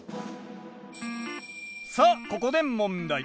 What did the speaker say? さあここで問題。